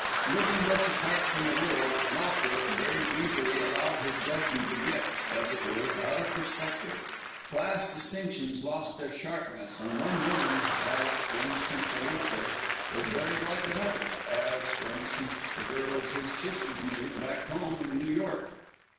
Living thus apart from the world, Lockwood very easily allowed his judgment to get, as it were, out of perspective. Class distinctions lost their sharpness, and one woman as, for instance, Felice was very like another as, for instance, the girls his sisters knew "back home" in New York.